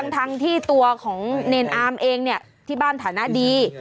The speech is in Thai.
ทั้งที่ตัวของเนรอามเองเนี่ยที่บ้านฐานะดี